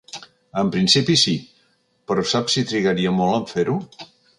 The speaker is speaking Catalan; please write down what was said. En principi sí, però saps si trigaria molt en fer-ho?